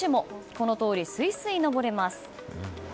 このとおり、すいすい上れます。